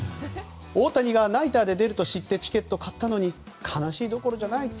大谷がナイターで出ると知ってチケットを買ったのに悲しいどころじゃない。